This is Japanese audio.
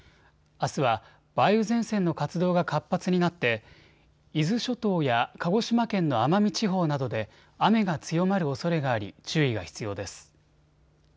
あすは梅雨前線の活動が活発になって伊豆諸島や鹿児島県の奄美地方などで雨が強まるおそれがあり注意が必要です。